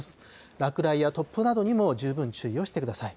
落雷や突風などにも十分注意をしてください。